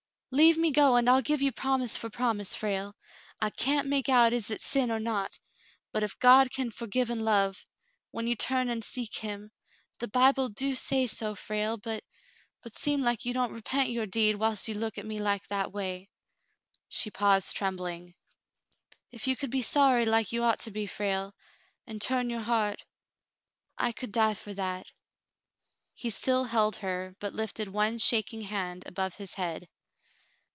"Leave me go, and I'll give you promise for promise, Frale. I can't make out is it sin or not ; but if God can forgive and love — when you turn and seek Him — the Bible do say so, Frale, but — but seem like you don't repent your deed whilst you look at me like that way." She paused, trembling. "If you could be sorry like you ought to be, Frale, and turn your heart — I could die for that." He still held her, but lifted one shaking hand above his head.